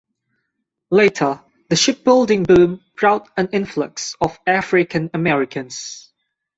Later, the shipbuilding boom brought an influx of African Americans.